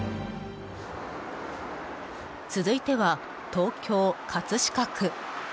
続いては、東京・葛飾区。